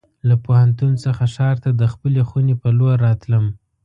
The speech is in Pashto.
له پوهنتون څخه ښار ته د خپلې خونې په لور راتلم.